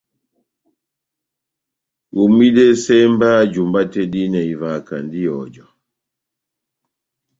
Homwidɛsɛ mba jumba tɛ́h dihinɛ ivahakandi ihɔjɔ.